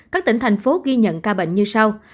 các tỉnh thành phố ghi nhận ca bệnh như sau